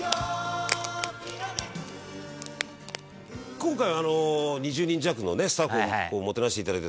今回２０人弱のねスタッフをもてなして頂いて。